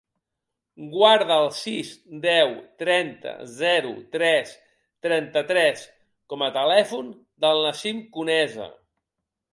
Guarda el sis, deu, trenta, zero, tres, trenta-tres com a telèfon del Nassim Conesa.